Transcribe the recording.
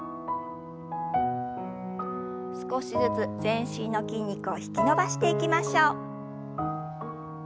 少しずつ全身の筋肉を引き伸ばしていきましょう。